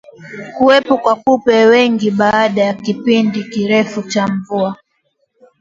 Kuwepo kwa kupe wengi baada ya kipindi kirefu cha mvua